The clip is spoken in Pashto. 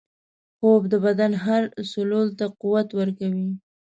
خوب د بدن هر سلول ته قوت ورکوي